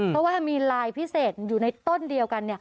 เพราะว่ามีลายพิเศษอยู่ในต้นเดียวกัน